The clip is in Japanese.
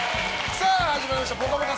さあ、始まりました「ぽかぽか」